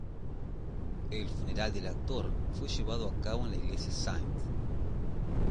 El funeral del actor fue llevado a cabo en la iglesia St.